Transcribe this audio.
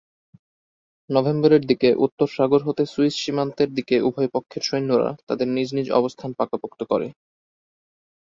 নভেম্বরের দিকে উত্তর সাগর হতে সুইস সীমান্তের দিকে উভয়পক্ষের সৈন্যরা তাদের নিজ নিজ অবস্থান পাকাপোক্ত করে।